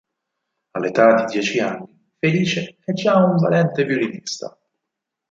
All'età di dieci anni, Felice è già un valente violinista.